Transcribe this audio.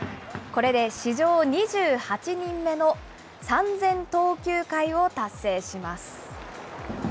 これで史上２８人目の３０００投球回を達成します。